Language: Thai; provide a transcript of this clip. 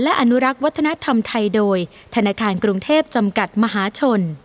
และอนุรักษ์วัฒนธรรมไทยโดยธนาคารกรุงเทพจำกัดมหาชน